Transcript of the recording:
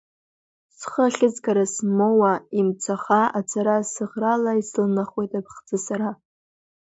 Схы ахьызгара смоуа, имцаха ацара сыӷрала исылнахуеит аԥхӡы сара.